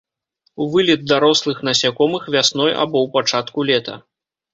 Вылет дарослых насякомых вясной або ў пачатку лета.